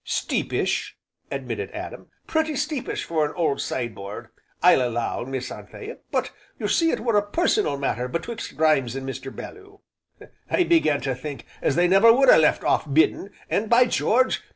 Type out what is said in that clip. "Steepish!" admitted Adam, "pretty steepish for a old sideboard, I'll allow, Miss Anthea, but you see it were a personal matter betwixt Grimes an' Mr. Belloo. I began to think as they never would ha' left off biddin', an' by George!